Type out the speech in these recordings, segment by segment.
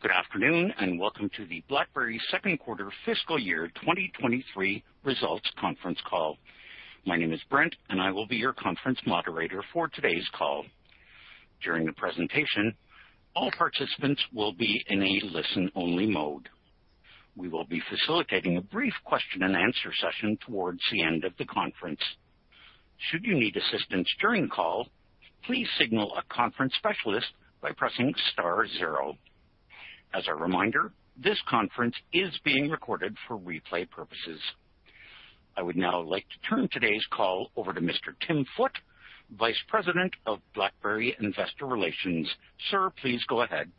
Good afternoon, and welcome to the BlackBerry second quarter fiscal year 2023 results conference call. My name is Brent, and I will be your conference moderator for today's call. During the presentation, all participants will be in a listen-only mode. We will be facilitating a brief question-and-answer session towards the end of the conference. Should you need assistance during the call, please signal a conference specialist by pressing star zero. As a reminder, this conference is being recorded for replay purposes. I would now like to turn today's call over to Mr. Tim Foote, Vice President of BlackBerry Investor Relations. Sir, please go ahead.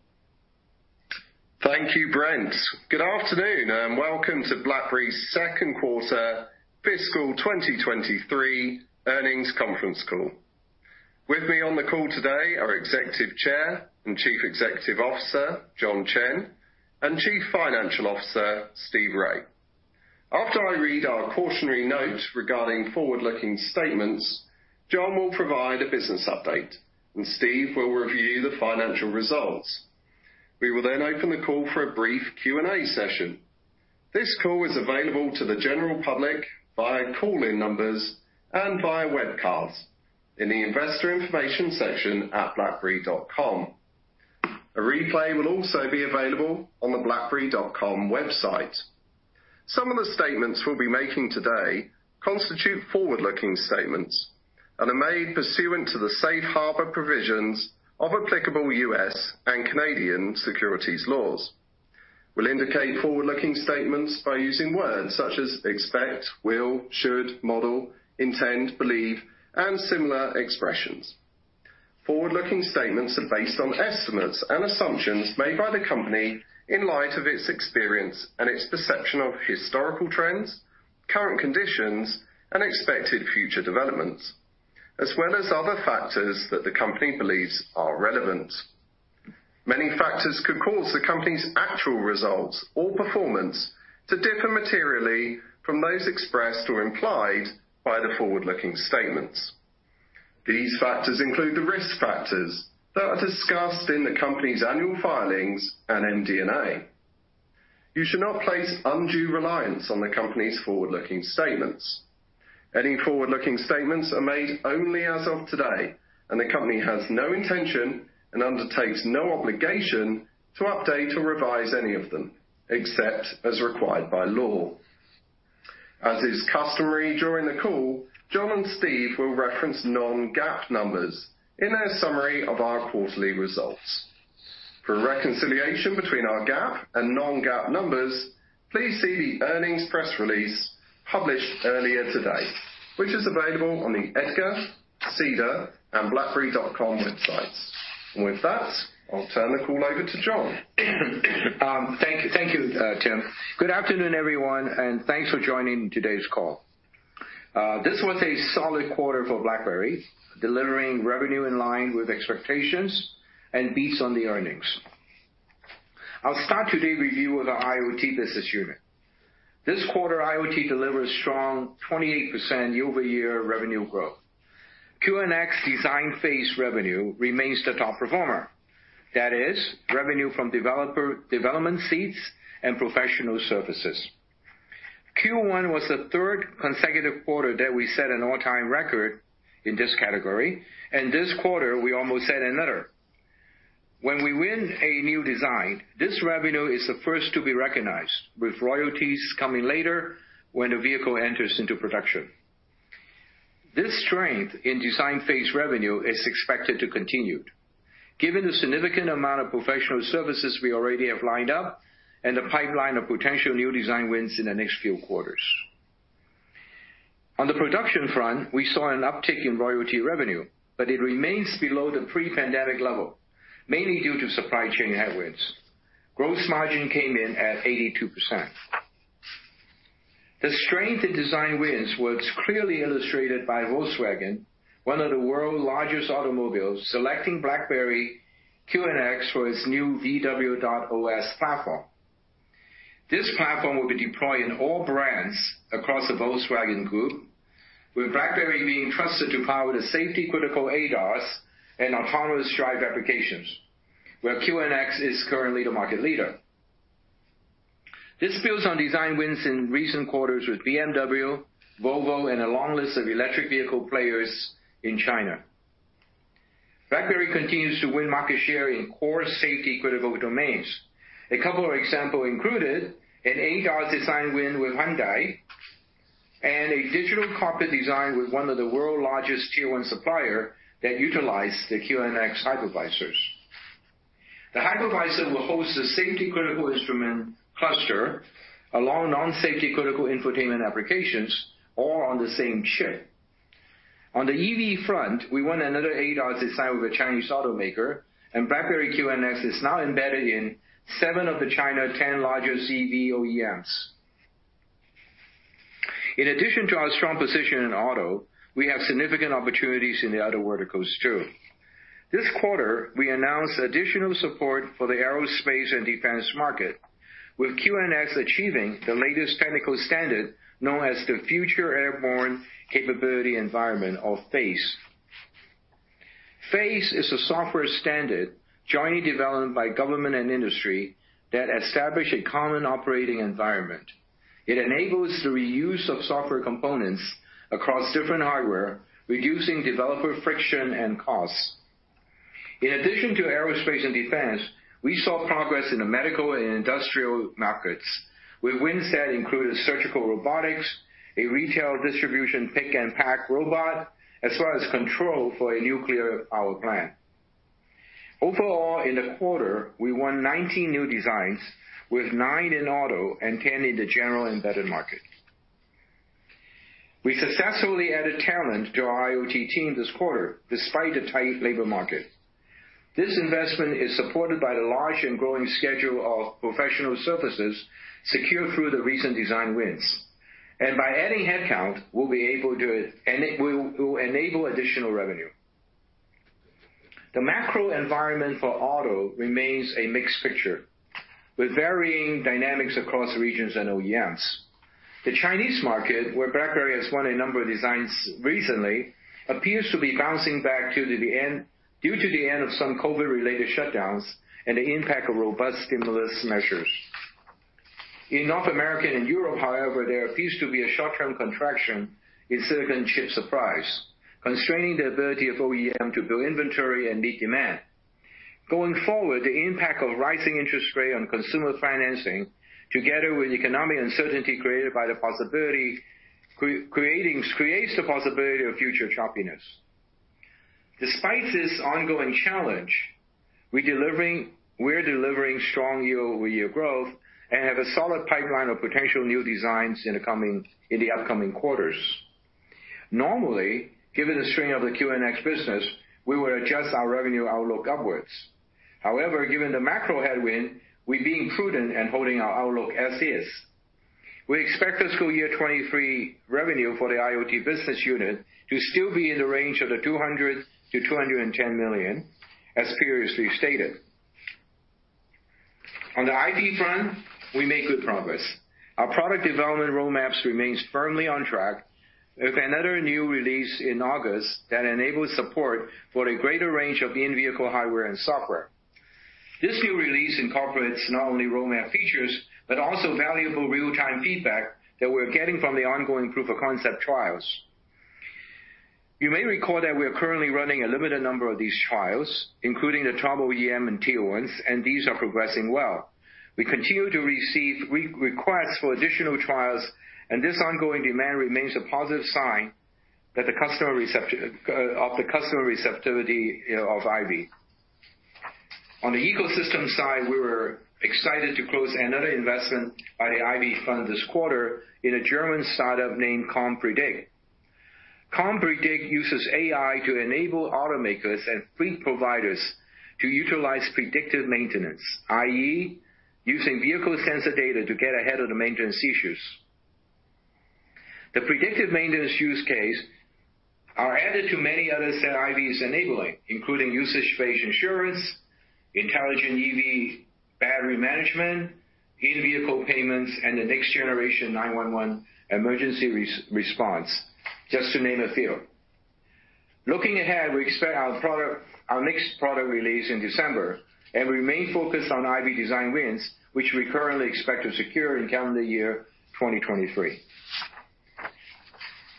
Thank you, Brent. Good afternoon, and welcome to BlackBerry's second quarter fiscal 2023 earnings conference call. With me on the call today are Executive Chair and Chief Executive Officer, John Chen, and Chief Financial Officer, Steve Rai. After I read our cautionary note regarding forward-looking statements, John will provide a business update, and Steve will review the financial results. We will then open the call for a brief Q&A session. This call is available to the general public via call-in numbers and via webcasts in the investor information section at blackberry.com. A replay will also be available on the blackberry.com website. Some of the statements we'll be making today constitute forward-looking statements and are made pursuant to the safe harbor provisions of applicable U.S. and Canadian securities laws. We'll indicate forward-looking statements by using words such as expect, will, should, model, intend, believe, and similar expressions. Forward-looking statements are based on estimates and assumptions made by the company in light of its experience and its perception of historical trends, current conditions, and expected future developments, as well as other factors that the company believes are relevant. Many factors could cause the company's actual results or performance to differ materially from those expressed or implied by the forward-looking statements. These factors include the risk factors that are discussed in the company's annual filings and MD&A. You should not place undue reliance on the company's forward-looking statements. Any forward-looking statements are made only as of today, and the company has no intention and undertakes no obligation to update or revise any of them, except as required by law. As is customary during the call, John and Steve will reference non-GAAP numbers in their summary of our quarterly results. For a reconciliation between our GAAP and non-GAAP numbers, please see the earnings press release published earlier today, which is available on the Edgar, Cedar, and blackberry.com websites. With that, I'll turn the call over to John. Thank you. Thank you, Tim. Good afternoon, everyone, and thanks for joining today's call. This was a solid quarter for BlackBerry, delivering revenue in line with expectations and beats on the earnings. I'll start today's review with our IoT business unit. This quarter, IoT delivered strong 28% year-over-year revenue growth. QNX design phase revenue remains the top performer. That is, revenue from developer development seats and professional services. Q1 was the third consecutive quarter that we set an all-time record in this category, and this quarter we almost set another. When we win a new design, this revenue is the first to be recognized, with royalties coming later when the vehicle enters into production. This strength in design phase revenue is expected to continue given the significant amount of professional services we already have lined up and the pipeline of potential new design wins in the next few quarters. On the production front, we saw an uptick in royalty revenue, but it remains below the pre-pandemic level, mainly due to supply chain headwinds. Gross margin came in at 82%. The strength in design wins was clearly illustrated by Volkswagen, one of the world's largest automakers, selecting BlackBerry QNX for its new VW.OS platform. This platform will be deployed in all brands across the Volkswagen Group, with BlackBerry being trusted to power the safety critical ADAS and autonomous drive applications, where QNX is currently the market leader. This builds on design wins in recent quarters with BMW, Volvo, and a long list of electric vehicle players in China. BlackBerry continues to win market share in core safety critical domains. A couple of examples included an ADAS design win with Hyundai and a digital cockpit design with one of the world's largest tier one supplier that utilize the QNX Hypervisor. The hypervisor will host the safety critical instrument cluster along non-safety critical infotainment applications, all on the same chip. On the EV front, we won another ADAS design with a Chinese automaker, and BlackBerry QNX is now embedded in seven of China's ten largest CV OEMs. In addition to our strong position in auto, we have significant opportunities in the other verticals too. This quarter, we announced additional support for the aerospace and defense market, with QNX achieving the latest technical standard known as the Future Airborne Capability Environment, or FACE. FACE is a software standard jointly developed by government and industry that establish a common operating environment. It enables the reuse of software components across different hardware, reducing developer friction and costs. In addition to aerospace and defense, we saw progress in the medical and industrial markets, with wins that included surgical robotics, a retail distribution pick and pack robot, as well as control for a nuclear power plant. Overall, in the quarter, we won 19 new designs, with 9 in auto and 10 in the general embedded market. We successfully added talent to our IoT team this quarter despite the tight labor market. This investment is supported by the large and growing schedule of professional services secured through the recent design wins. By adding headcount, we'll enable additional revenue. The macro environment for auto remains a mixed picture, with varying dynamics across regions and OEMs. The Chinese market, where BlackBerry has won a number of designs recently, appears to be bouncing back due to the end of some COVID-related shutdowns and the impact of robust stimulus measures. In North America and Europe, however, there appears to be a short-term contraction in silicon chip supply, constraining the ability of OEM to build inventory and meet demand. Going forward, the impact of rising interest rate on consumer financing, together with economic uncertainty created by the possibility creates the possibility of future choppiness. Despite this ongoing challenge, we're delivering strong year-over-year growth and have a solid pipeline of potential new designs in the upcoming quarters. Normally, given the strength of the QNX business, we would adjust our revenue outlook upwards. However, given the macro headwind, we're being prudent and holding our outlook as is. We expect fiscal year 2023 revenue for the IoT business unit to still be in the range of $200 million-$210 million, as previously stated. On the IVY front, we made good progress. Our product development road maps remains firmly on track with another new release in August that enables support for a greater range of in-vehicle hardware and software. This new release incorporates not only road map features, but also valuable real-time feedback that we're getting from the ongoing proof of concept trials. You may recall that we are currently running a limited number of these trials, including the top OEM and tier ones, and these are progressing well. We continue to receive re-requests for additional trials, and this ongoing demand remains a positive sign that the customer receptivity of IVY. On the ecosystem side, we were excited to close another investment by the IVY Fund this quarter in a German startup named ComPredict. ComPredict uses AI to enable automakers and fleet providers to utilize predictive maintenance, i.e., using vehicle sensor data to get ahead of the maintenance issues. The predictive maintenance use case are added to many others that IVY is enabling, including usage-based insurance, intelligent EV battery management, in-vehicle payments, and the next generation 911 emergency response, just to name a few. Looking ahead, we expect our product, our next product release in December, and remain focused on IVY design wins, which we currently expect to secure in calendar year 2023.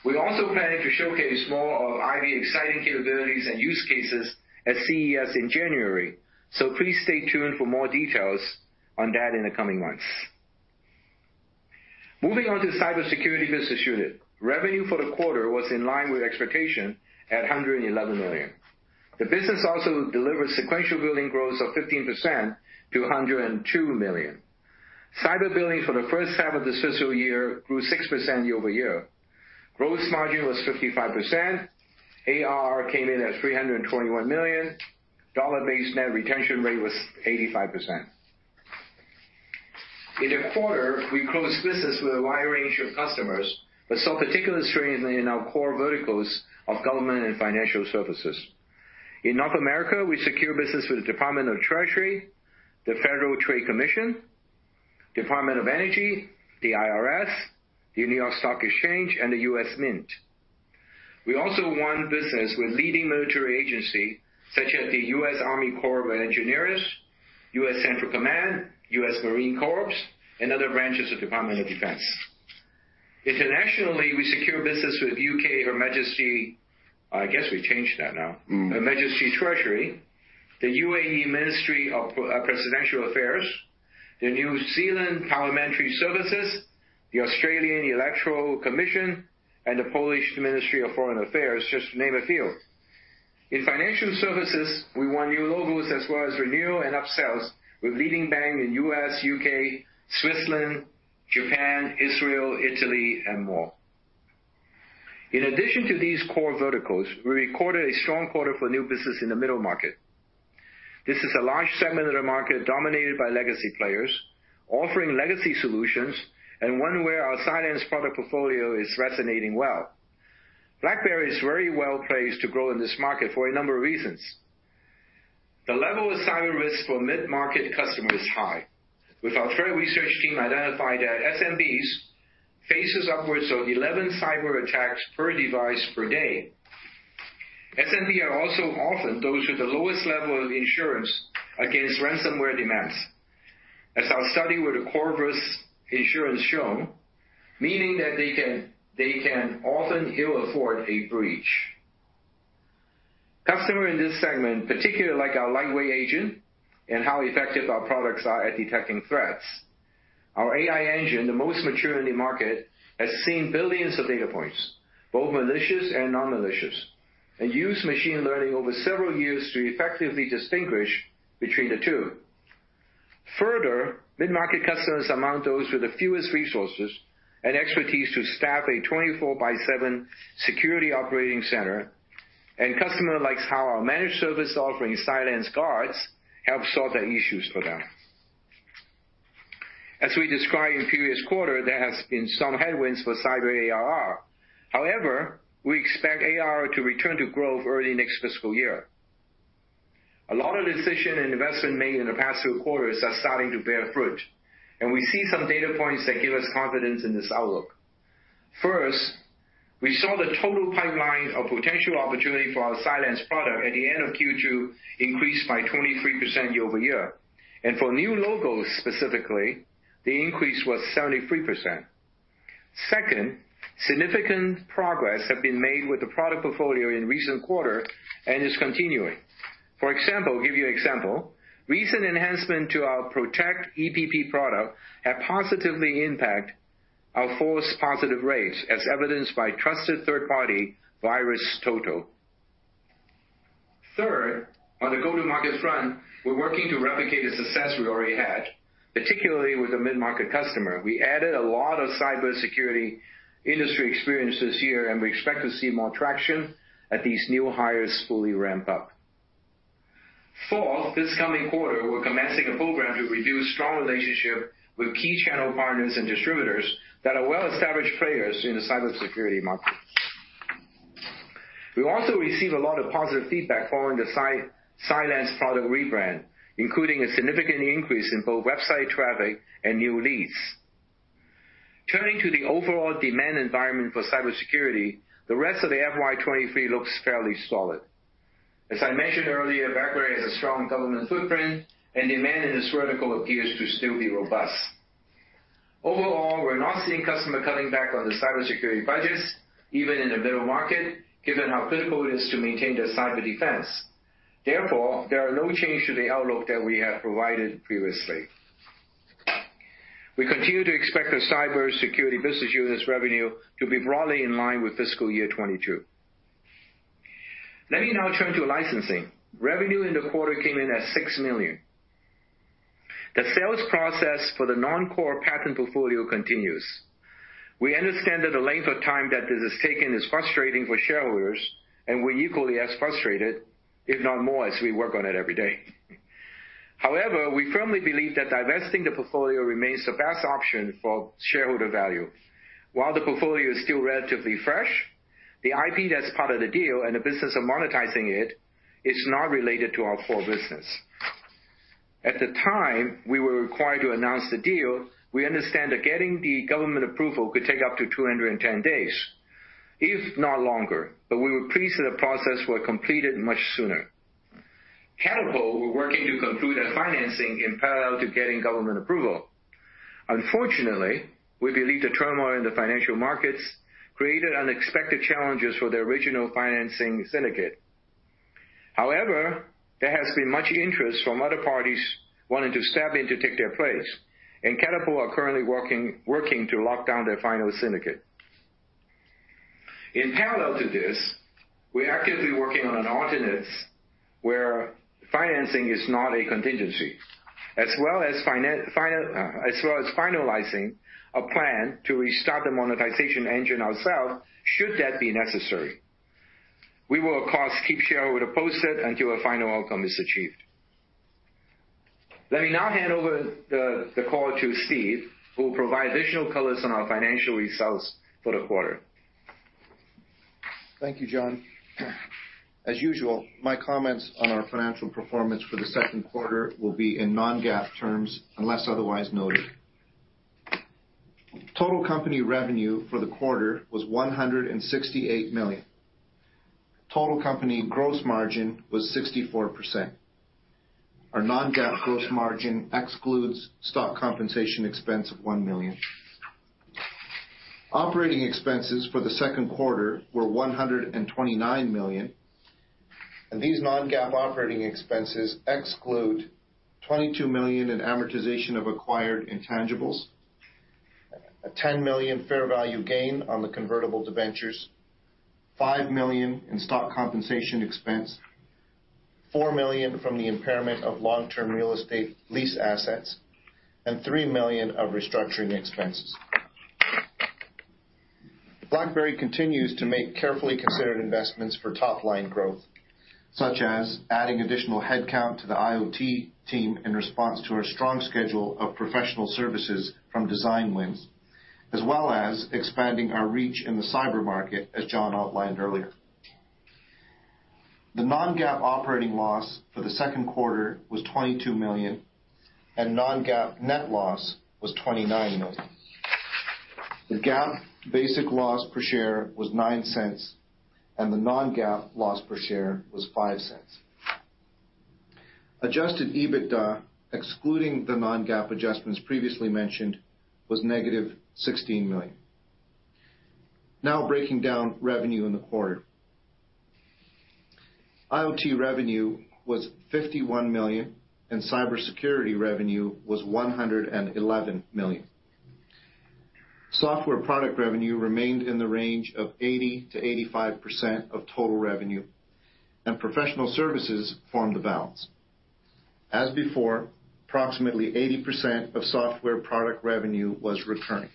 We're also planning to showcase more of IVY exciting capabilities and use cases at CES in January. Please stay tuned for more details on that in the coming months. Moving on to cybersecurity business unit. Revenue for the quarter was in line with expectation at $111 million. The business also delivered sequential billing growth of 15% to $102 million. Cyber billing for the first half of this fiscal year grew 6% year-over-year. Growth margin was 55%. ARR came in at $321 million. Dollar-based net retention rate was 85%. In the quarter, we closed business with a wide range of customers, but saw particular strength in our core verticals of government and financial services. In North America, we secured business with the Department of Treasury, the Federal Trade Commission, Department of Energy, the IRS, the New York Stock Exchange, and the U.S. Mint. We also won business with leading military agency, such as the U.S. Army Corps of Engineers, U.S. Central Command, U.S. Marine Corps, and other branches of Department of Defense. Internationally, we secure business with U.K. Her Majesty. I guess we changed that now. Mm-hmm. HM Treasury, the UAE Ministry of Presidential Affairs, the New Zealand Parliamentary Service, the Australian Electoral Commission, and the Polish Ministry of Foreign Affairs, just to name a few. In financial services, we won new logos as well as renewals and upsells with leading banks in U.S., U.K., Switzerland, Japan, Israel, Italy, and more. In addition to these core verticals, we recorded a strong quarter for new business in the mid-market. This is a large segment of the market dominated by legacy players, offering legacy solutions, and one where our Cylance product portfolio is resonating well. BlackBerry is very well placed to grow in this market for a number of reasons. The level of cyber risk for mid-market customers is high. Our threat research team identified that SMBs face upwards of 11 cyber attacks per device per day. SMBs are also often those with the lowest level of insurance against ransomware demands. As our study with Corvus Insurance shown, meaning that they can often ill afford a breach. Customers in this segment particularly like our lightweight agent and how effective our products are at detecting threats. Our AI engine, the most mature in the market, has seen billions of data points, both malicious and non-malicious, and uses machine learning over several years to effectively distinguish between the two. Further, mid-market customers among those with the fewest resources and expertise to staff a 24/7 security operating center and customers like how our managed service offering, CylanceGUARD, helps solve their issues for them. As we described in previous quarter, there has been some headwinds for cyber ARR. However, we expect ARR to return to growth early next fiscal year. A lot of decision and investment made in the past two quarters are starting to bear fruit, and we see some data points that give us confidence in this outlook. First, we saw the total pipeline of potential opportunity for our Cylance product at the end of Q2 increased by 23% year-over-year, and for new logos, specifically, the increase was 73%. Second, significant progress have been made with the product portfolio in recent quarter and is continuing. For example, recent enhancement to our Protect EPP product have positively impact our false positive rates as evidenced by trusted third-party VirusTotal. Third, on the go-to-market front, we're working to replicate the success we already had, particularly with the mid-market customer. We added a lot of cybersecurity industry experience this year, and we expect to see more traction as these new hires fully ramp up. Fourth, this coming quarter, we're commencing a program to renew strong relationships with key channel partners and distributors that are well-established players in the cybersecurity market. We also received a lot of positive feedback following the Cylance product rebrand, including a significant increase in both website traffic and new leads. Turning to the overall demand environment for cybersecurity, the rest of the FY 2023 looks fairly solid. As I mentioned earlier, BlackBerry has a strong government footprint and demand in this vertical appears to still be robust. Overall, we're not seeing customers cutting back on the cybersecurity budgets, even in the middle market, given how critical it is to maintain their cyber defense. Therefore, there is no change to the outlook that we have provided previously. We continue to expect the cybersecurity business unit revenue to be broadly in line with fiscal year 2022. Let me now turn to licensing. Revenue in the quarter came in at $6 million. The sales process for the non-core patent portfolio continues. We understand that the length of time that this has taken is frustrating for shareholders, and we're equally as frustrated, if not more, as we work on it every day. However, we firmly believe that divesting the portfolio remains the best option for shareholder value. While the portfolio is still relatively fresh, the IP that's part of the deal and the business of monetizing it is not related to our core business. At the time we were required to announce the deal, we understand that getting the government approval could take up to 210 days, if not longer, but we were pleased that the process were completed much sooner. Catapult, we're working to conclude the financing in parallel to getting government approval. Unfortunately, we believe the turmoil in the financial markets created unexpected challenges for the original financing syndicate. However, there has been much interest from other parties wanting to step in to take their place, and Catapult are currently working to lock down their final syndicate. In parallel to this, we're actively working on an alternate where financing is not a contingency, as well as finalizing a plan to restart the monetization engine ourselves, should that be necessary. We will of course keep shareholders posted until a final outcome is achieved. Let me now hand over the call to Steve, who will provide additional colors on our financial results for the quarter. Thank you, John. As usual, my comments on our financial performance for the second quarter will be in non-GAAP terms unless otherwise noted. Total company revenue for the quarter was $168 million. Total company gross margin was 64%. Our non-GAAP gross margin excludes stock compensation expense of $1 million. Operating expenses for the second quarter were $129 million, and these non-GAAP operating expenses exclude $22 million in amortization of acquired intangibles, a $10 million fair value gain on the convertible debentures, $5 million in stock compensation expense, $4 million from the impairment of long-term real estate lease assets, and $3 million of restructuring expenses. BlackBerry continues to make carefully considered investments for top-line growth, such as adding additional headcount to the IoT team in response to our strong schedule of professional services from design wins, as well as expanding our reach in the cyber market, as John outlined earlier. The non-GAAP operating loss for the second quarter was $22 million, and non-GAAP net loss was $29 million. The GAAP basic loss per share was $0.09, and the non-GAAP loss per share was $0.05. Adjusted EBITDA, excluding the non-GAAP adjustments previously mentioned, was -$16 million. Now breaking down revenue in the quarter. IoT revenue was $51 million, and cybersecurity revenue was $111 million. Software product revenue remained in the range of 80%-85% of total revenue, and professional services formed the balance. As before, approximately 80% of software product revenue was returning.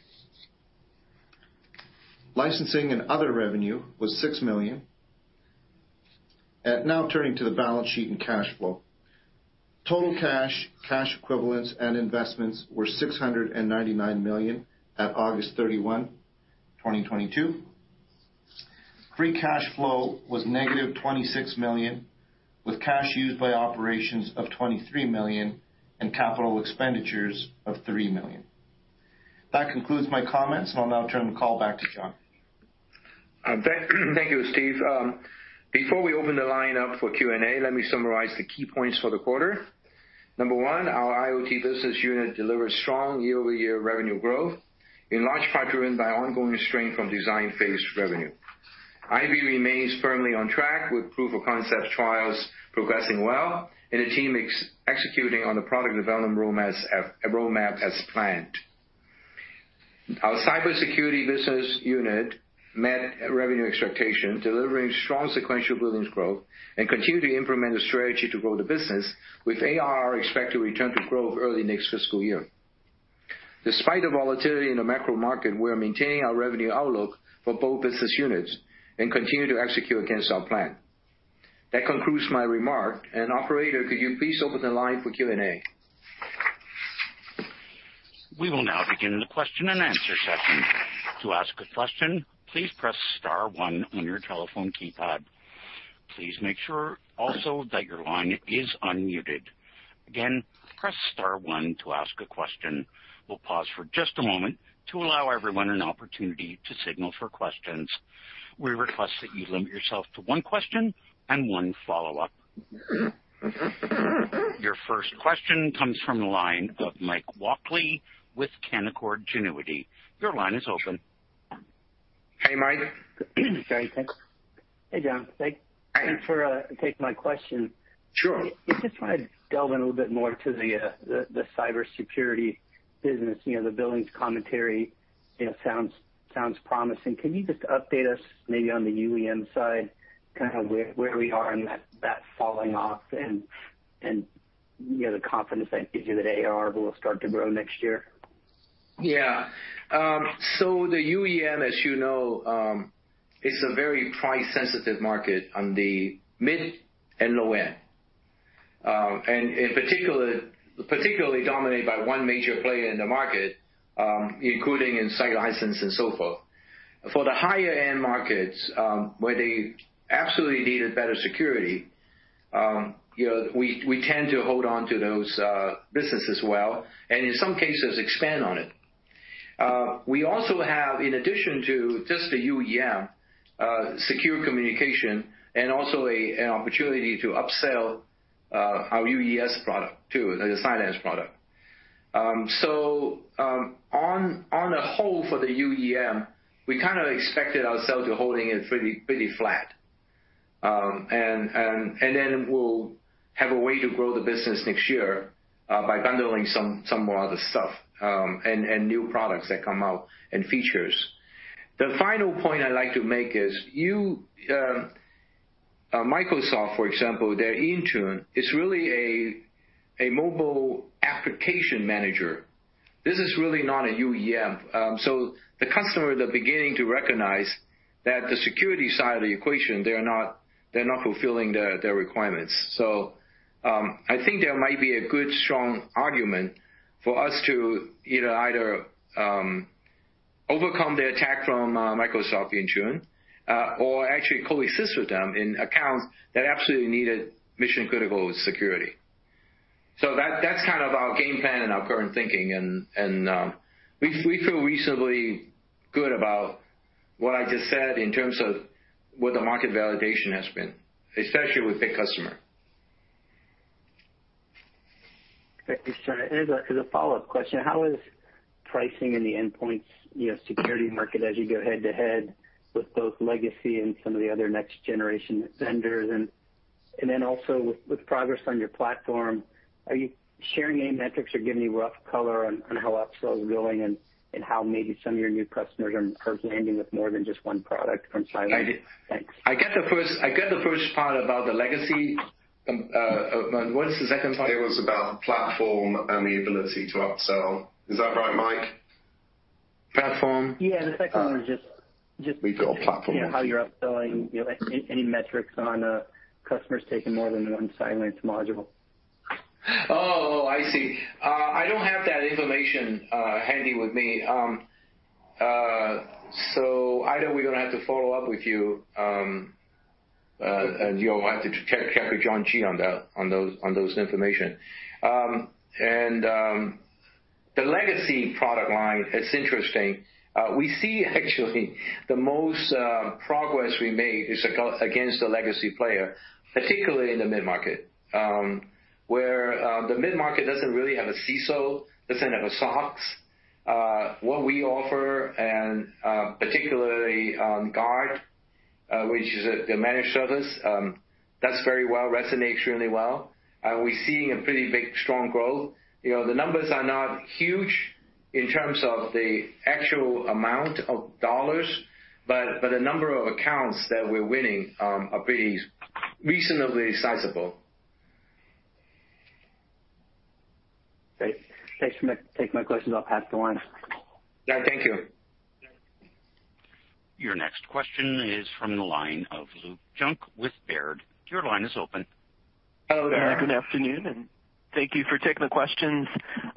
Licensing and other revenue was $6 million. Now turning to the balance sheet and cash flow. Total cash equivalents and investments were $699 million at August 31, 2022. Free cash flow was -$26 million, with cash used by operations of $23 million and capital expenditures of $3 million. That concludes my comments, and I'll now turn the call back to John. Thank you, Steve. Before we open the line up for Q&A, let me summarize the key points for the quarter. Number one, our IoT business unit delivered strong year-over-year revenue growth, in large part driven by ongoing strength from design phase revenue. IVY remains firmly on track with proof of concept trials progressing well, and the team executing on the product development roadmap as planned. Our cybersecurity business unit met revenue expectation, delivering strong sequential billings growth and continue to implement a strategy to grow the business, with ARR expected to return to growth early next fiscal year. Despite the volatility in the macro market, we are maintaining our revenue outlook for both business units and continue to execute against our plan. That concludes my remark. Operator, could you please open the line for Q&A? We will now begin the question and answer session. To ask a question, please press star one on your telephone keypad. Please make sure also that your line is unmuted. Again, press star one to ask a question. We'll pause for just a moment to allow everyone an opportunity to signal for questions. We request that you limit yourself to one question and one follow-up. Your first question comes from the line of Mike Walkley with Canaccord Genuity. Your line is open. Hey, Mike. Sorry. Thanks. Hey, John. Thanks. Hi. Thanks for taking my question. Sure. Just wanna delve in a little bit more to the cybersecurity business. You know, the billings commentary, you know, sounds promising. Can you just update us maybe on the UEM side, kind of where we are in that falling off and, you know, the confidence that gives you that AR will start to grow next year? Yeah. The UEM, as you know, is a very price-sensitive market on the mid and low end. In particular, dominated by one major player in the market, including in site license and so forth. For the higher-end markets, where they absolutely needed better security, you know, we tend to hold on to those businesses well, and in some cases expand on it. We also have, in addition to just the UEM, secure communication and also an opportunity to upsell our UES product to the Cylance product. On a whole for the UEM, we kinda expected ourselves to holding it pretty flat. We'll have a way to grow the business next year by bundling some more other stuff and new products that come out and features. The final point I'd like to make is Microsoft, for example, their Intune is really a mobile application manager. This is really not a UEM. The customer, they're beginning to recognize that the security side of the equation, they're not fulfilling their requirements. I think there might be a good strong argument for us to either overcome the attack from Microsoft Intune or actually coexist with them in accounts that absolutely needed mission-critical security. That's kind of our game plan and our current thinking and we feel reasonably good about what I just said in terms of what the market validation has been, especially with big customer. Great. Thanks, John. As a follow-up question, how is pricing in the endpoint, you know, security market as you go head-to-head with both legacy and some of the other next-generation vendors? With progress on your platform, are you sharing any metrics or giving us rough color on how upsell is going and how maybe some of your new customers are landing with more than just one product from Cylance? Thanks. I get the first part about the legacy. What is the second part? It was about platform and the ability to upsell. Is that right, Mike? Platform. Yeah, the second one was just. We've got platform. You know, how you're upselling, you know, any metrics on customers taking more than one Cylance module? Oh, I see. I don't have that information handy with me. So either we're gonna have to follow up with you, and you'll have to check with John Giamatteo on that information. The legacy product line, it's interesting. We see actually the most progress we made is against the legacy player, particularly in the mid-market, where the mid-market doesn't really have a CISO, doesn't have a SOX. What we offer, particularly on Guard, which is the managed service, that's very well resonates really well. We're seeing a pretty big strong growth. You know, the numbers are not huge in terms of the actual amount of dollars, but the number of accounts that we're winning are pretty reasonably sizable. Great. Thanks for taking my questions. I'll pass the line. Yeah, thank you. Your next question is from the line of Luke Junk with Baird. Your line is open. Hello there. Good afternoon, thank you for taking the questions.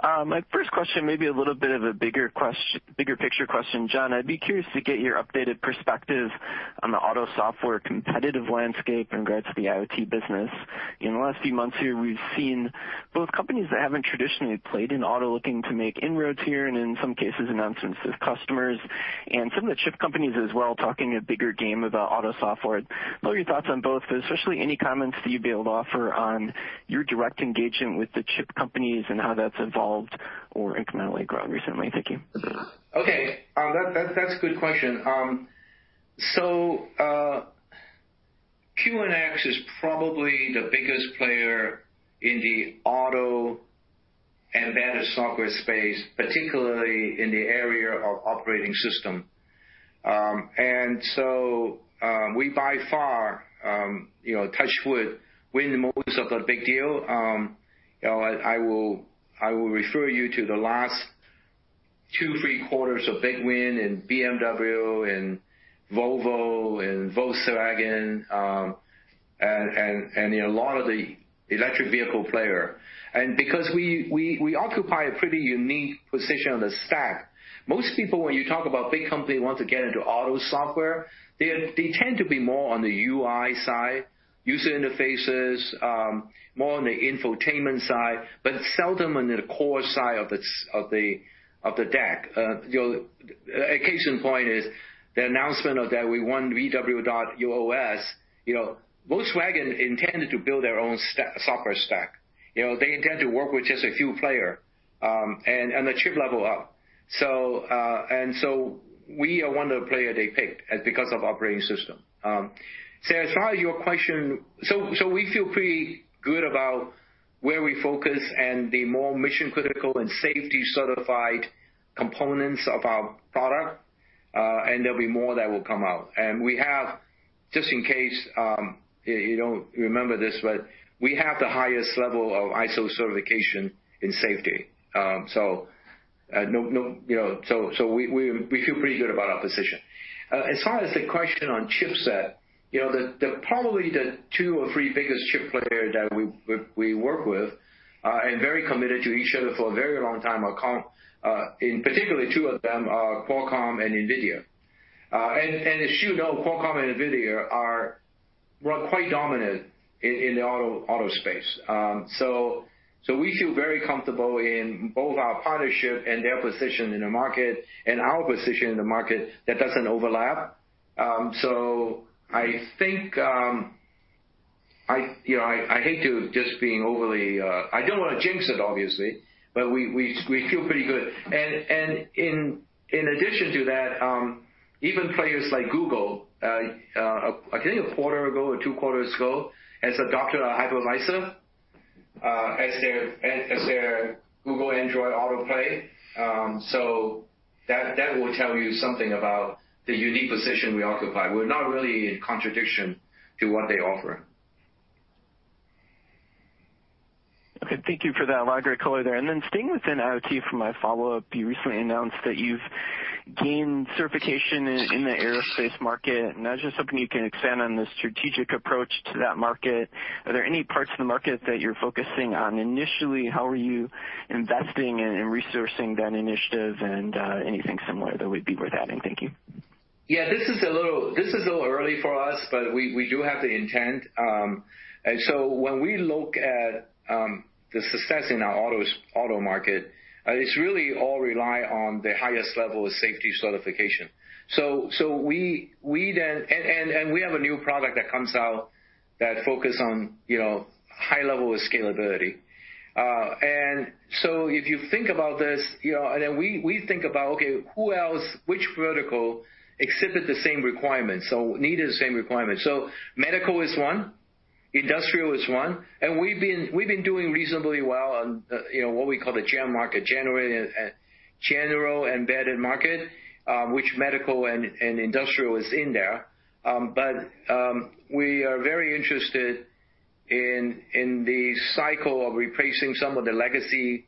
My first question may be a little bit of a bigger picture question. John, I'd be curious to get your updated perspective on the auto software competitive landscape in regards to the IoT business. In the last few months here, we've seen both companies that haven't traditionally played in auto looking to make inroads here, and in some cases announcements with customers. Some of the chip companies as well talking a bigger game about auto software. What are your thoughts on both, but especially any comments that you'd be able to offer on your direct engagement with the chip companies and how that's evolved or incrementally grown recently? Thank you. Okay. That's a good question. QNX is probably the biggest player in the auto embedded software space, particularly in the area of operating system. We by far, you know, touch wood, win the most of the big deal. You know, I will refer you to the last two-three quarters of big win in BMW and Volvo and Volkswagen, and you know, a lot of the electric vehicle player. Because we occupy a pretty unique position on the stack, most people when you talk about big company wants to get into auto software, they tend to be more on the UI side, user interfaces, more on the infotainment side, but seldom on the core side of the stack. You know, a case in point is the announcement that we won VW.OS. You know, Volkswagen intended to build their own software stack. You know, they intend to work with just a few players, and the chip level up. We are one of the players they picked because of operating system. As far as your question, we feel pretty good about where we focus and the more mission-critical and safety-certified components of our product, and there'll be more that will come out. We have, just in case, you don't remember this, but we have the highest level of ISO certification in safety. No, you know, we feel pretty good about our position. As far as the question on chipset, you know, the probably the two or three biggest chip player that we work with and very committed to each other for a very long time are Qualcomm. In particular, two of them are Qualcomm and NVIDIA. And as you know, Qualcomm and NVIDIA are well quite dominant in the auto space. So we feel very comfortable in both our partnership and their position in the market and our position in the market that doesn't overlap. So I think, you know, I hate to just being overly. I don't wanna jinx it obviously, but we feel pretty good. In addition to that, even players like Google, I think a quarter ago or two quarters ago has adopted our hypervisor as their Google Android Automotive. So that will tell you something about the unique position we occupy. We're not really in contradiction to what they offer. Okay. Thank you for that larger color there. Staying within IoT for my follow-up, you recently announced that you've gained certification in the aerospace market. Can you expand on the strategic approach to that market? Are there any parts of the market that you're focusing on initially? How are you investing and resourcing that initiative, and anything similar that would be worth adding? Thank you. Yeah, this is a little early for us, but we do have the intent. When we look at the success in our auto market, it's really all rely on the highest level of safety certification. We have a new product that comes out that focus on, you know, high level of scalability. If you think about this, you know, and then we think about, okay, who else, which vertical exhibit the same requirements, so need the same requirements. Medical is one, industrial is one, and we've been doing reasonably well on, you know, what we call the GEM market, general embedded market, which medical and industrial is in there. We are very interested in the cycle of replacing some of the legacy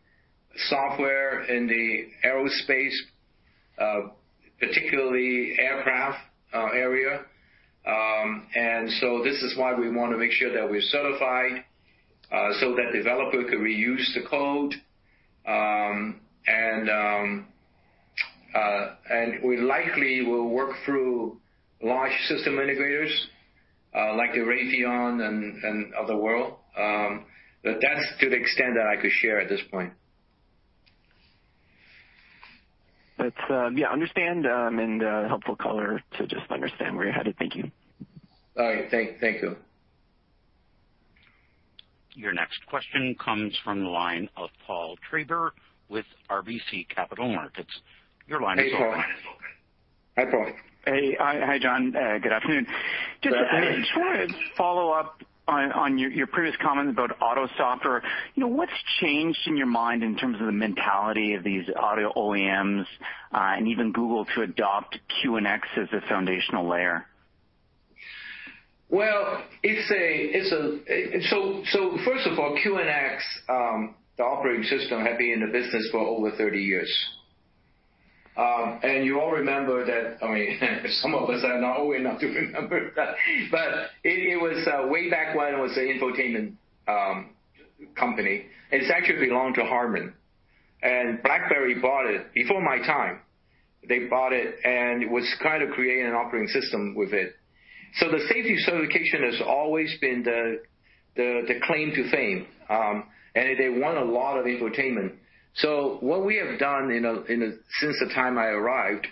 software in the aerospace, particularly aircraft, area. This is why we want to make sure that we're certified, so that developers could reuse the code. We likely will work through large system integrators, like the Raytheon and others of the world. That's to the extent that I could share at this point. That's, yeah, understand, and a helpful color to just understand where you're headed. Thank you. All right. Thank you. Your next question comes from the line of Paul Treiber with RBC Capital Markets. Your line is open. Hey, Paul. Hi, Paul. Hey. Hi, John. Good afternoon. Good afternoon. I mean, I just wanted to follow up on your previous comments about auto software. You know, what's changed in your mind in terms of the mentality of these auto OEMs and even Google to adopt QNX as a foundational layer? Well, first of all, QNX, the operating system had been in the business for over 30 years. You all remember that. I mean, some of us are not old enough to remember that. But it was way back when it was an infotainment company, and it actually belonged to HARMAN. BlackBerry bought it before my time. They bought it, and it was kind of creating an operating system with it. The safety certification has always been the claim to fame, and they won a lot of infotainment. What we have done since the time I arrived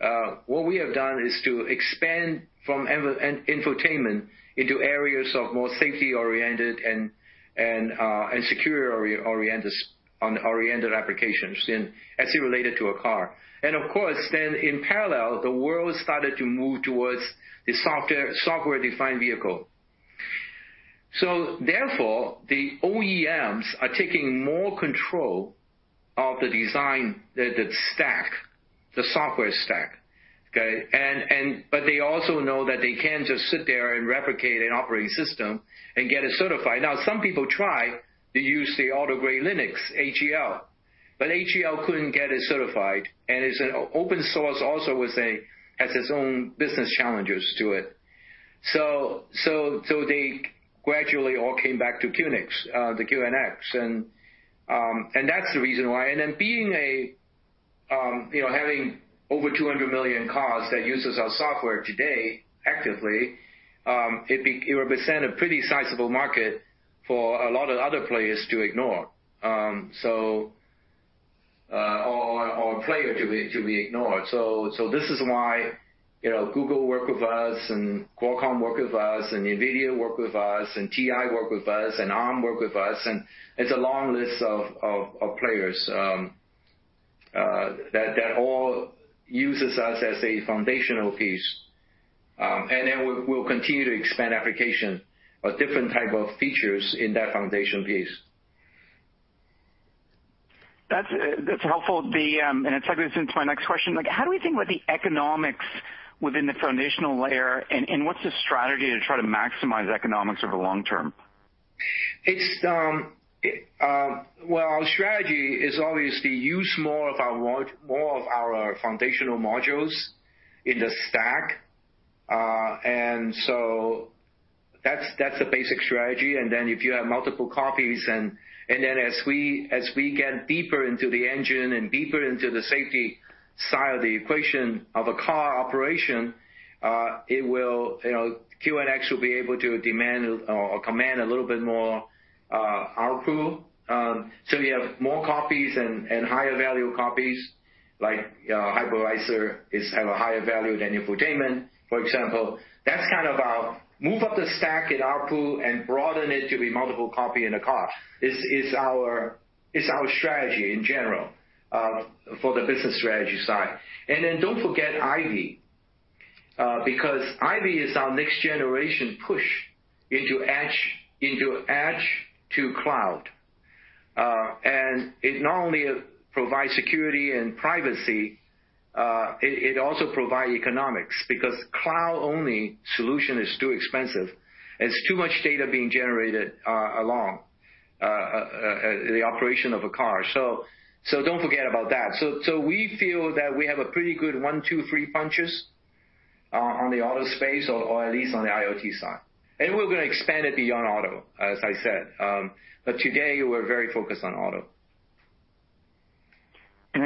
is to expand from infotainment into areas of more safety-oriented and security-oriented applications in as it related to a car. Of course, then in parallel, the world started to move towards the software-defined vehicle. Therefore, the OEMs are taking more control of the design, the stack, the software stack. Okay? They also know that they can't just sit there and replicate an operating system and get it certified. Now, some people try to use the Automotive Grade Linux, AGL, but AGL couldn't get it certified, and it's an open source also with its own business challenges to it. They gradually all came back to QNX. That's the reason why. Having over 200 million cars that uses our software today actively, it represents a pretty sizable market for a lot of other players to ignore. a player to be ignored. This is why, you know, Google work with us and Qualcomm work with us and NVIDIA work with us and TI work with us and Arm work with us, and it's a long list of players that all uses us as a foundational piece. We'll continue to expand application of different type of features in that foundational piece. That's helpful. It ties into my next question. Like how do we think about the economics within the foundational layer and what's the strategy to try to maximize economics over long term? Well, our strategy is obviously use more of our foundational modules in the stack. That's the basic strategy. If you have multiple copies and then as we get deeper into the engine and deeper into the safety side of the equation of a car operation, it will, you know, QNX will be able to demand or command a little bit more ARPU. So you have more copies and higher value copies like hypervisor is have a higher value than infotainment, for example. That's kind of our move up the stack in ARPU and broaden it to be multiple copy in a car is our strategy in general for the business strategy side. Don't forget IVY, because IVY is our next generation push into edge to cloud. It not only provide security and privacy, it also provide economics because cloud-only solution is too expensive and it's too much data being generated along the operation of a car. Don't forget about that. We feel that we have a pretty good one, two, three punches on the auto space or at least on the IoT side. We're gonna expand it beyond auto, as I said. Today we're very focused on auto.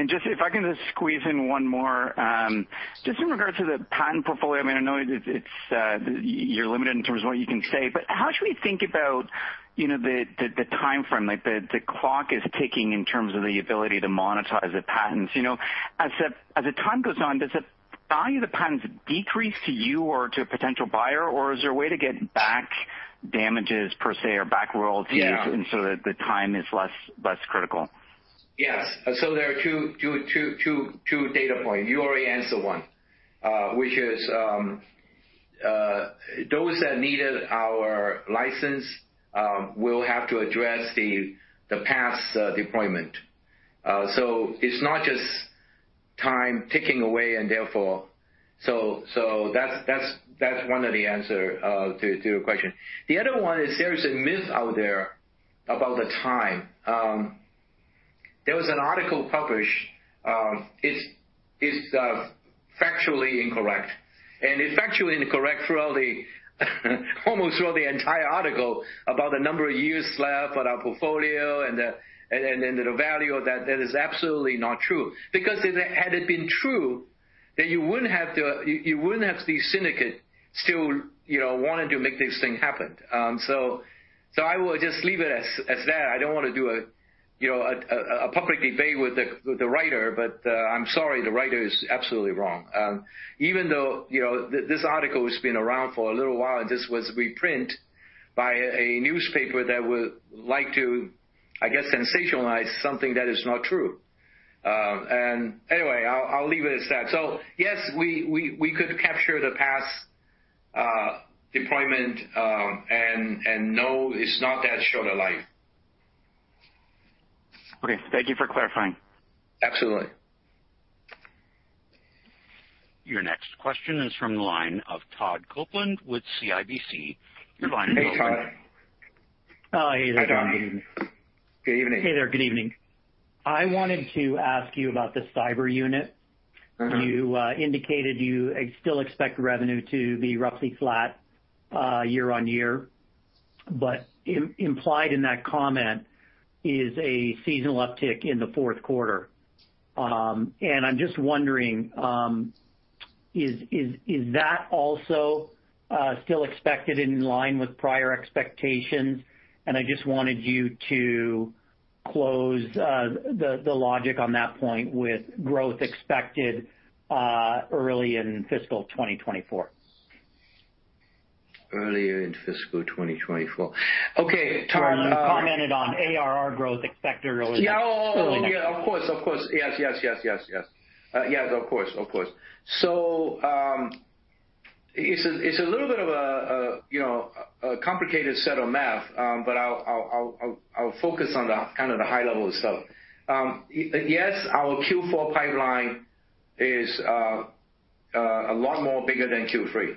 Just if I can just squeeze in one more, just in regards to the patent portfolio, I mean, I know it's, you're limited in terms of what you can say, but how should we think about, you know, the timeframe, like the clock is ticking in terms of the ability to monetize the patents. You know, as the time goes on, does the value of the patents decrease to you or to a potential buyer, or is there a way to get back damages per se or back royalties? Yeah. that the time is less critical? Yes. There are two data point. You already answered one, which is those that needed our license will have to address the past deployment. It's not just time ticking away and therefore. That's one of the answer to your question. The other one is there is a myth out there about the time. There was an article published, it's factually incorrect. It's factually incorrect through almost the entire article about the number of years left on our portfolio and then the value of that. That is absolutely not true. Because if it had been true, then you wouldn't have the syndicate still, you know, wanting to make this thing happen. I will just leave it as that. I don't wanna do a, you know, public debate with the writer, but I'm sorry, the writer is absolutely wrong. Even though, you know, this article has been around for a little while, this was reprint by a newspaper that would like to, I guess, sensationalize something that is not true. Anyway, I'll leave it as that. Yes, we could capture the past deployment, and no, it's not that short a life. Okay, thank you for clarifying. Absolutely. Your next question is from the line of Todd Coupland with CIBC. Your line is open. Hey, Todd. Oh, hey there. Hi, Todd. Good evening. Hey there, good evening. I wanted to ask you about the cyber unit. Mm-hmm. You indicated you still expect revenue to be roughly flat year-over-year, but implied in that comment is a seasonal uptick in the fourth quarter. I'm just wondering, is that also still expected in line with prior expectations? I just wanted you to close the logic on that point with growth expected early in fiscal 2024. Early in fiscal 2024. Okay, Todd. Well, you commented on ARR growth expected early next year. Yeah. Oh, yeah, of course. Yes. Yes, of course. It's a little bit of a complicated set of math, but I'll focus on the kind of the high level stuff. Yes, our Q4 pipeline is a lot more bigger than Q3.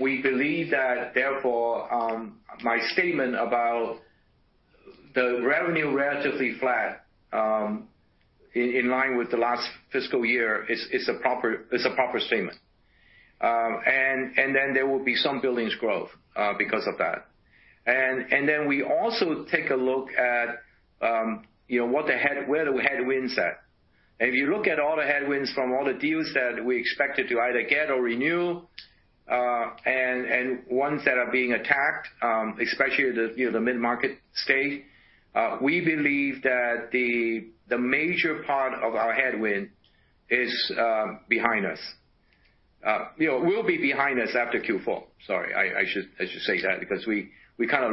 We believe that therefore my statement about the revenue relatively flat in line with the last fiscal year is a proper statement. Then there will be some billings growth because of that. Then we also take a look at you know, where the headwinds at. If you look at all the headwinds from all the deals that we expected to either get or renew, and ones that are being attacked, especially the, you know, the mid-market state, we believe that the major part of our headwind is behind us. You know, will be behind us after Q4. Sorry, I should say that because we kinda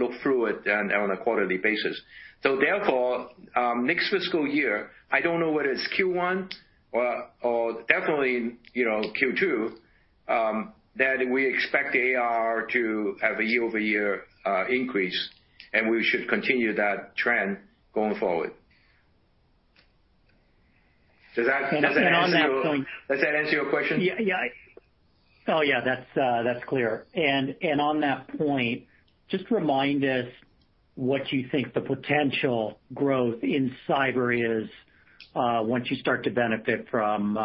look through it on a quarterly basis. Therefore, next fiscal year, I don't know whether it's Q1 or definitely, you know, Q2, that we expect the ARR to have a year-over-year increase, and we should continue that trend going forward. Does that answer your- On that point. Does that answer your question? Yeah. Oh, yeah, that's clear. On that point, just remind us what you think the potential growth in cyber is once you start to benefit from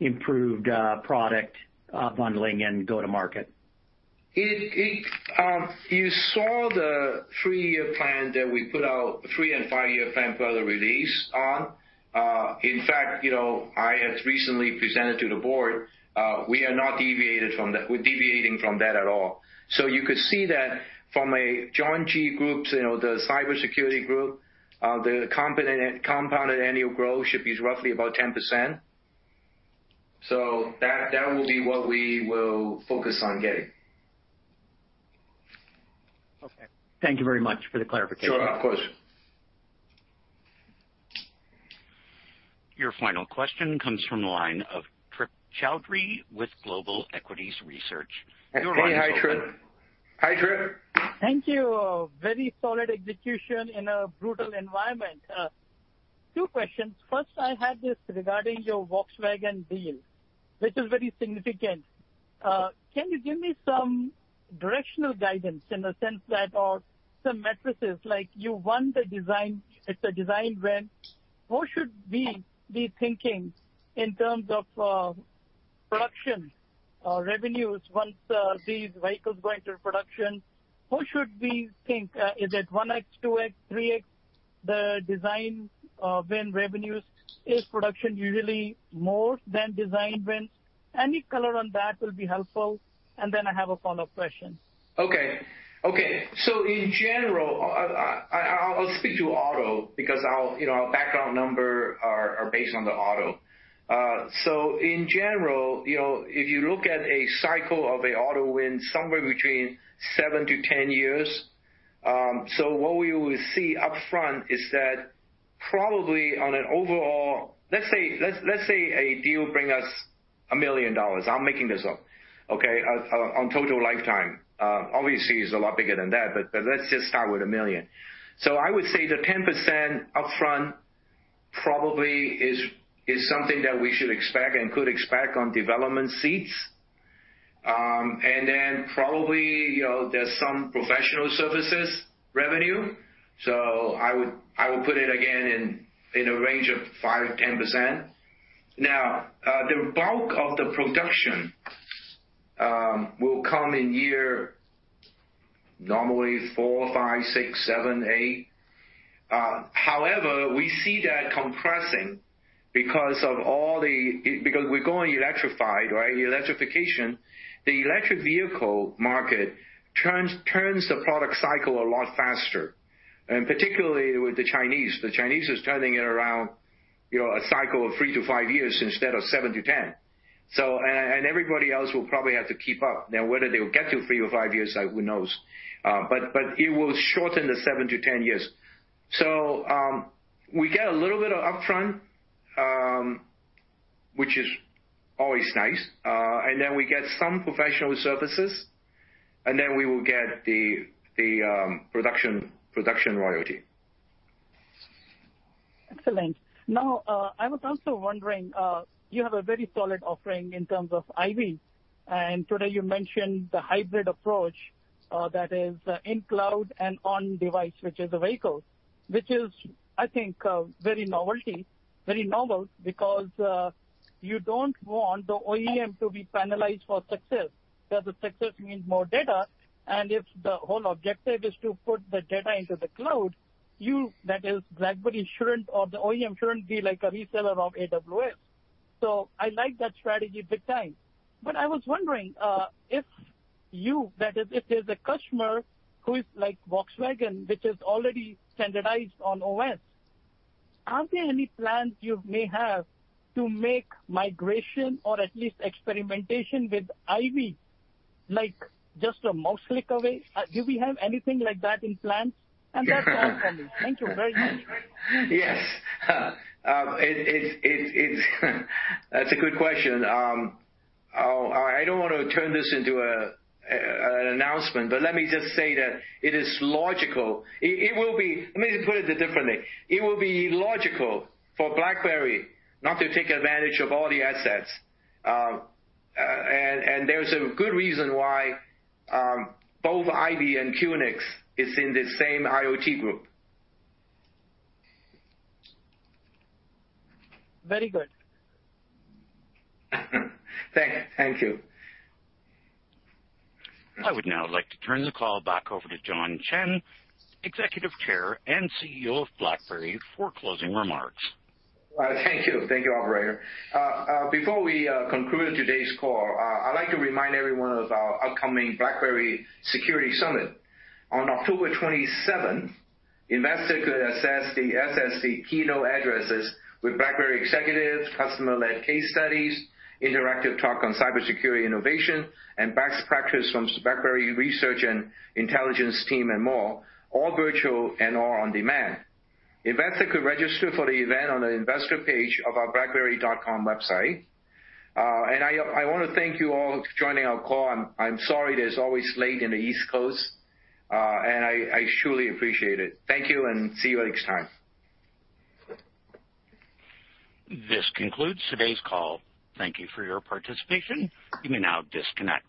improved product bundling and go-to-market. You saw the three-year plan that we put out, three- and five-year plan for the release on. In fact, you know, I had recently presented to the board. We are not deviating from that at all. You could see that from John G. group, you know, the cybersecurity group. The compounded annual growth should be roughly 10%. That will be what we will focus on getting. Okay. Thank you very much for the clarification. Sure. Of course. Your final question comes from the line of Trip Chowdhry with Global Equities Research. Your line is open. Hey. Hi, Trip. Hi, Trip. Thank you. A very solid execution in a brutal environment. Two questions. First, I had this regarding your Volkswagen deal, which is very significant. Can you give me some directional guidance or some metrics, like you won the design, it's a design win. What should we be thinking in terms of, production or revenues once these vehicles go into production? What should we think? Is it 1x, 2x, 3x? The design win revenues. Is production usually more than design wins? Any color on that will be helpful. I have a follow-up question. Okay. In general, I'll speak to auto because our, you know, our background number are based on the auto. In general, you know, if you look at a cycle of a auto win, somewhere between 7-10 years, what we will see upfront is that probably on an overall. Let's say a deal bring us $1 million. I'm making this up, okay, on total lifetime. Obviously, it's a lot bigger than that, but let's just start with $1 million. I would say the 10% upfront, probably is something that we should expect and could expect on development seats. And then probably, you know, there's some professional services revenue. I would put it again in a range of 5%-10%. Now, the bulk of the production will come in year normally four, five, six, seven, eight. However, we see that compressing because we're going electrified, right? Electrification. The electric vehicle market turns the product cycle a lot faster, and particularly with the Chinese. The Chinese is turning it around, you know, a cycle of three to five years instead of 7-10. And everybody else will probably have to keep up. Now, whether they will get to three or five years, who knows? But it will shorten the 7-10 years. We get a little bit of upfront, which is always nice. And then we get some professional services, and then we will get the production royalty. Excellent. Now, I was also wondering, you have a very solid offering in terms of IV. Today, you mentioned the hybrid approach that is in cloud and on device, which is viable, I think, very novel, because you don't want the OEM to be penalized for success, because the success means more data. If the whole objective is to put the data into the cloud, you, that is BlackBerry, shouldn't or the OEM shouldn't be like a reseller of AWS. I like that strategy big time. I was wondering, if there's a customer who is like Volkswagen, which is already standardized on OS, are there any plans you may have to make migration or at least experimentation with IV, like just a mouse click away? Do we have anything like that in plans? That's all from me. Thank you very much. Yes. It's a good question. I don't wanna turn this into an announcement, but let me just say that it is logical. Let me put it differently. It will be logical for BlackBerry not to take advantage of all the assets. There's a good reason why both IVY and QNX is in the same IoT group. Very good. Thank you. I would now like to turn the call back over to John Chen, Executive Chair and CEO of BlackBerry, for closing remarks. Thank you. Thank you, operator. Before we conclude today's call, I'd like to remind everyone of our upcoming BlackBerry Security Summit. On October 27th, investors could access the SSC keynote addresses with BlackBerry executives, customer-led case studies, interactive talk on cybersecurity innovation, and best practice from BlackBerry research and intelligence team and more, all virtual and all on demand. Investors could register for the event on the investor page of our blackberry.com website. I wanna thank you all for joining our call. I'm sorry, it is always late in the East Coast, and I surely appreciate it. Thank you, and see you next time. This concludes today's call. Thank you for your participation. You may now disconnect.